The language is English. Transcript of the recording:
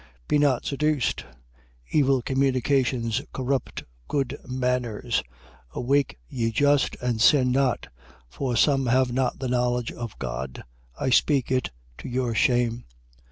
Be not seduced: Evil communications corrupt good manners. 15:34. Awake, ye just, and sin not. For some have not the knowledge of God. I speak it to your shame.